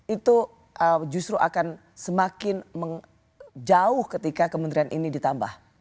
itu justru akan semakin jauh ketika kementerian ini ditambah